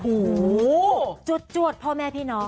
โอ้โหจวดพ่อแม่พี่น้อง